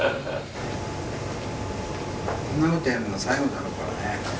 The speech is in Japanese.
こんなことやるの最後だろうからね。